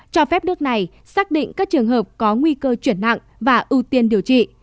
cho phép nước này xác định các trường hợp có nguy cơ chuyển nặng và ưu tiên điều trị